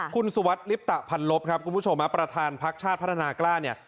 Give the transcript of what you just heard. คุณสุวัสดิลิปตะพันลบครับคุณผู้ชมประธานพักชาติพัฒนากล้าเนี่ย